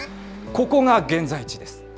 ここが現在地です。